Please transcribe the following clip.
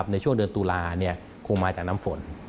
ในช่วงเดือนตุลาคงมาจากน้ำฝน